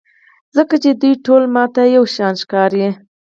ځکه چې دوی ټول ماته یوشان ښکاري.